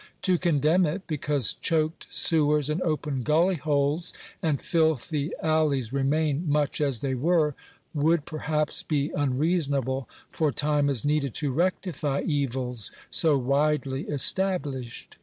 To condemn it, because choked sewers, and open gully holes, and filthy alleys remain much as they were, would, perhaps, be unreasonable, for time is needed to rectify evils so widely established.